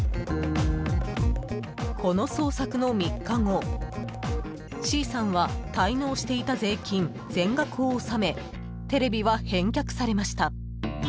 ［この捜索の３日後Ｃさんは滞納していた税金全額を納めテレビは返却されました］